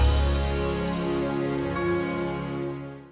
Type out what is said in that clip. ini bisa terjadi loh sama abi juga